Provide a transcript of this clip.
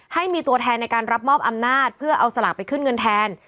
ให้มีตัวแทนในการรับมอบอำนาจเพื่อเอาสลากไปขึ้นเงินแทน